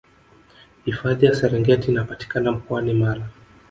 hifadhi ya serengeti inapatikana mkoani mara